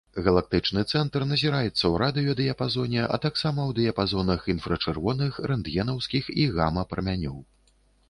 Галактычны цэнтр назіраецца ў радыёдыяпазоне, а таксама ў дыяпазонах інфрачырвоных, рэнтгенаўскіх і гама-прамянёў.